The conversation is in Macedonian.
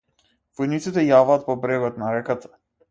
Војниците јаваат по брегот на реката.